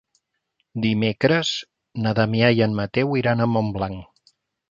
Dimecres na Damià i en Mateu iran a Montblanc.